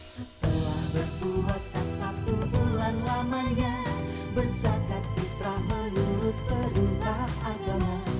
setelah berpuasa satu bulan lamanya berzakat fitrah menurut perintah agama